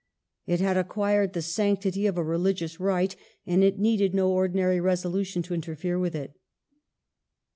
It had acquired the sanctity of a religious rite, and it needed no ordinary resolution to interfere with it.